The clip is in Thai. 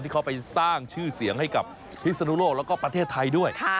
ที่เขาไปสร้างชื่อเสียงให้กับพิศนุโลกแล้วก็ประเทศไทยด้วย